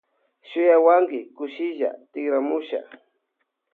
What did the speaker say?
Shuyawanki kutsilla tikramusha.